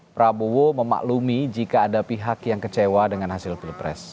prabowo memaklumi jika ada pihak yang kecewa dengan hasil pilpres